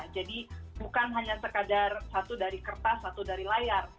jadi bukan hanya sekadar satu dari kertas satu dari layar